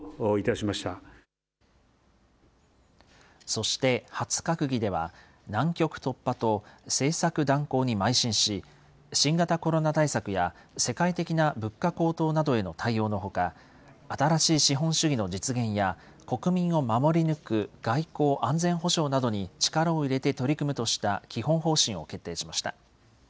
そして初閣議では、難局突破と政策断行にまい進し、新型コロナ対策や世界的な物価高騰などへの対応のほか、新しい資本主義の実現や、国民を守り抜く外交・安全保障などに力を入れて取り組むとした基本方針を決定しました。